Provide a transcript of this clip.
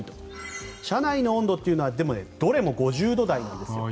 車内の温度というのはでもどれも５０度台なんですよ。